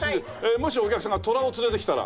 もしお客さんがトラを連れて来たら？